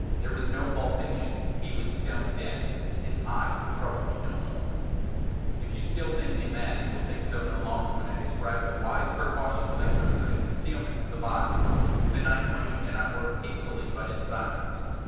There was no pulsation. He was stone dead. His eve would trouble me no more. If still you think me mad, you will think so no longer when I describe the wise precautions I took for the concealment of the body. The night waned, and I worked hastily, but in silence.